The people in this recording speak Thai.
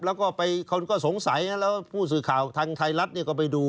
แล้วก็คนก็สงสัยแล้วผู้สื่อข่าวทางไทยรัฐก็ไปดู